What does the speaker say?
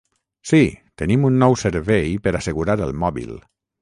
Sí, tenim un nou servei per assegurar el mòbil.